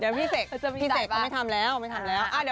เดี๋ยวพี่เสกพี่เสกเขาไม่ทำแล้วไม่ทำแล้ว